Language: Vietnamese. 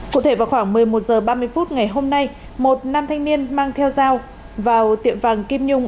cụ thể vào khoảng một mươi một h ba mươi phút ngày hôm nay một nam thanh niên mang theo dao vào tiệm vàng kim nhung